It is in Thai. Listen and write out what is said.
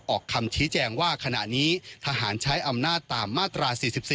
ออกคำชี้แจงว่าขณะนี้ทหารใช้อำนาจตามมาตรา๔๔